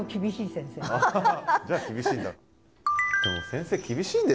じゃあ厳しいんだ。